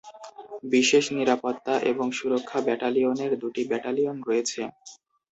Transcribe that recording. বিশেষ নিরাপত্তা এবং সুরক্ষা ব্যাটালিয়নের দুটি ব্যাটেলিয়ন রয়েছে।